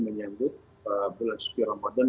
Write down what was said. menyambut bulan spiromodon